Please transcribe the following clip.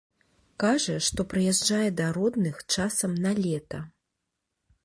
Кажа, што прыязджае да родных часам на лета.